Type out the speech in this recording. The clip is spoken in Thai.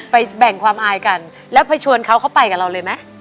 แบ่งความอายกันแล้วไปชวนเขาเขาไปกับเราเลยไหม